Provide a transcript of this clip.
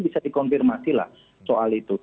bisa dikonfirmasi lah soal itu